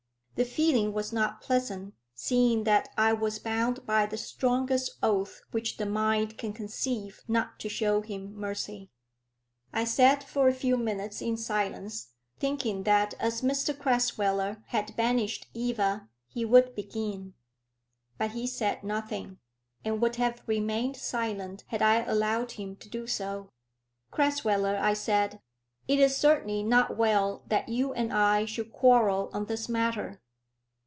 The feeling was not pleasant, seeing that I was bound by the strongest oath which the mind can conceive not to show him mercy. I sat for a few minutes in silence, thinking that as Mr Crasweller had banished Eva, he would begin. But he said nothing, and would have remained silent had I allowed him to do so. "Crasweller," I said, "it is certainly not well that you and I should quarrel on this matter.